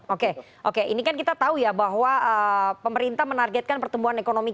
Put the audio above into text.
oke oke ini kan kita tahu ya bahwa pemerintah menargetkan pertumbuhan ekonomi kita